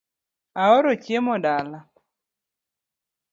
Aoro chiemo dala